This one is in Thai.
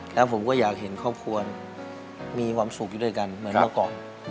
แล้วผมก็อยากเห็นครอบครัวมีความสุขอยู่ด้วยกันเหมือนเมื่อก่อน